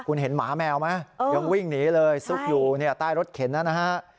คุณเห็นหมาแมวไหมยังวิ่งหนีเลยซุกอยู่เนี่ยใต้รถเข็นนะฮะ